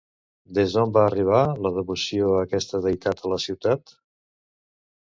Des d'on va arribar la devoció a aquesta deïtat a la ciutat?